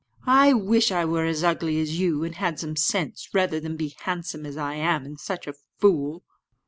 "I wish I were as ugly as you and had some sense, rather than be as handsome as I am, and such a fool."